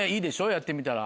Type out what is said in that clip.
やってみたら。